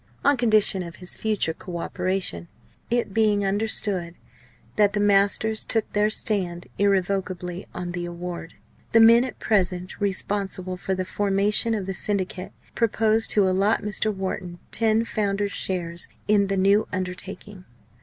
On condition of his future co operation it being understood that the masters took their stand irrevocably on the award the men at present responsible for the formation of the Syndicate proposed to allot Mr. Wharton ten Founder's Shares in the new undertaking.